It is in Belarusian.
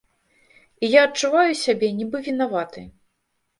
І я адчуваю сябе нібы вінаватай.